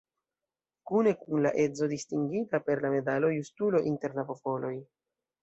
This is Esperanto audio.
Kune kun la edzo distingita per la medalo "Justulo inter la popoloj".